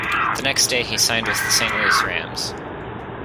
The next day, he signed with the Saint Louis Rams.